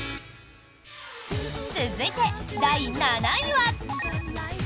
続いて、第７位は。